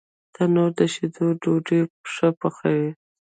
تنور د شیدو ډوډۍ ښه پخوي